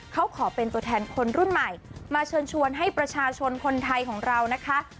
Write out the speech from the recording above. เขาขอเป็นตัวแทนคนรุ่นใหม่มาเชิญชวนให้ประชาชนคนไทยของเรานะคะ